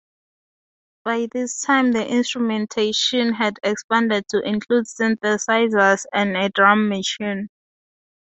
By this time the instrumentation had expanded to include synthesizers and a drum machine.